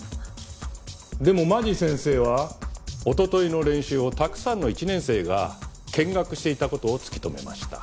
でも間地先生はおとといの練習をたくさんの１年生が見学していた事を突き止めました。